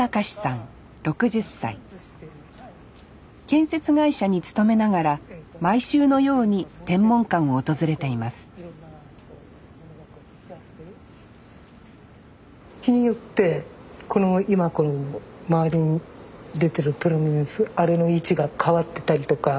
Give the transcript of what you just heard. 建設会社に勤めながら毎週のように天文館を訪れています日によって今周りに出てるプロミネンスあれの位置が変わってたりとか。